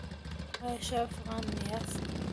ایا ښه افغان یاست؟